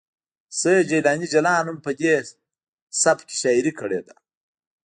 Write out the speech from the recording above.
سید جیلاني جلان هم په دې سبک کې شاعري کړې ده